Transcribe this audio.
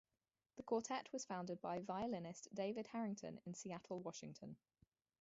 The quartet was founded by violinist David Harrington in Seattle, Washington.